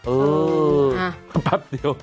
เออ